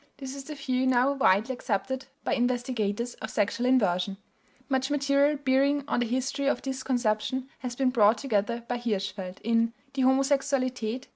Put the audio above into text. This is the view now widely accepted by investigators of sexual inversion. (Much material bearing on the history of this conception has been brought together by Hirschfeld, in Die Homosexualität, ch.